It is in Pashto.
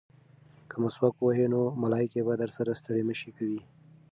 که مسواک ووهې نو ملایکې به درسره ستړې مه شي کوي.